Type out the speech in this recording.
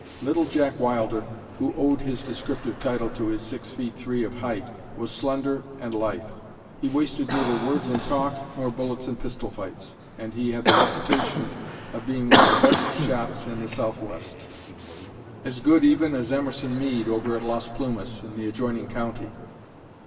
Little Jack Wilder, who owed his descriptive title to his six feet three of height, was slender and lithe. He wasted neither words in talk nor bullets in pistol fights, and he had the reputation of being one of the best shots in the Southwest, as good even as Emerson Mead, over at Las Plumas in the adjoining county.